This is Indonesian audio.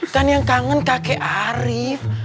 kan yang kangen kakek arief